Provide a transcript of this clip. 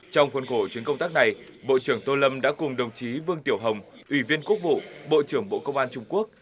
trong khuôn khổ chuyến công tác này bộ trưởng tô lâm đã cùng đồng chí vương tiểu hồng ủy viên quốc vụ bộ trưởng bộ công an trung quốc